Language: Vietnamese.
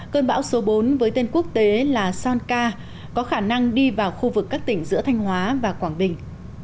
cơn bão số bốn với tên quốc tế là sonka có khả năng đi vào khu vực các tỉnh giữa thanh hóa và quảng bình